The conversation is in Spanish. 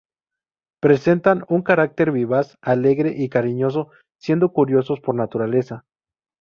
Presentan un carácter vivaz, alegre y cariñoso siendo curiosos por naturaleza.